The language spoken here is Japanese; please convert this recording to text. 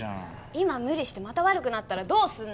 今無理してまた悪くなったらどうすんのよ？